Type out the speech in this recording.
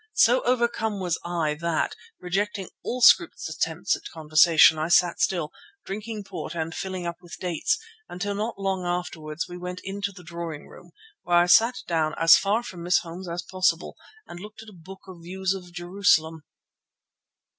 So overcome was I that, rejecting all Scroope's attempts at conversation, I sat silent, drinking port and filling up with dates, until not long afterwards we went into the drawing room, where I sat down as far from Miss Holmes as possible, and looked at a book of views of Jerusalem.